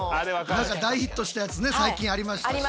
何か大ヒットしたやつね最近ありましたしね。